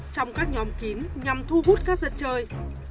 trong các nhóm kín nhằm thu hút các dân chơi